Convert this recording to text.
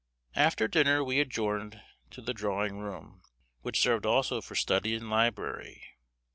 After dinner we adjourned to the drawing room, which served also for study and library.